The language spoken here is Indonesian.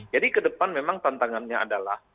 jadi ke depan memang tantangannya adalah